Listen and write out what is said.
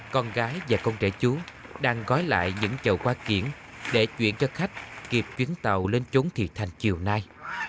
con gái và con trẻ chú đang gói lại những chậu qua kiển để chuyển cho khách kịp chuyến tàu lên trốn thiệt thành chiều nay